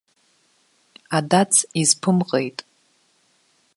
Адац изԥымҟеит.